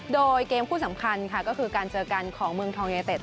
โดยเกมคู่สำคัญค่ะก็คือการเจอกันของเมืองทองยูเต็ด